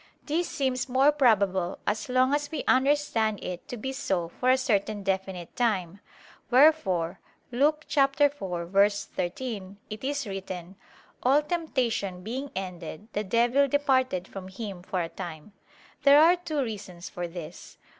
This seems more probable as long as we understand it to be so for a certain definite time: wherefore (Luke 4:13) it is written: "All temptation being ended, the devil departed from Him for a time." There are two reasons for this.